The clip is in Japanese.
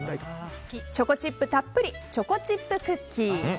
チョコチップたっぷりチョコチップクッキー。